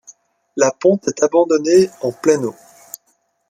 La ponte est abandonnée en pleine eau.